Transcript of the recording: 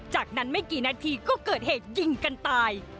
จากนั้นไม่กี่นาทีก็เกิดเหตุยิงกันตาย